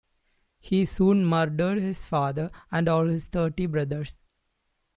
He soon murdered his father and all his thirty brothers.